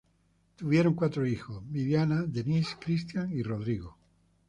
Tuvieron cuatro hijos: Viviana, Denise, Christian y Rodrigo.